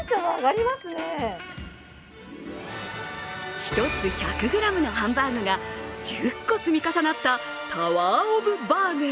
１つ１００ｇのハンバーグが１０個積み重なったタワー・オブ・バーグ。